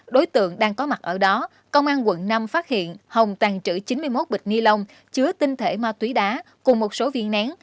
đối tượng đang có mặt ở đó công an quận năm phát hiện hồng tàn trữ chín mươi một bịch ni lông chứa tinh thể ma túy đá cùng một số viên nén